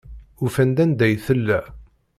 Ufan-d anda ay tella.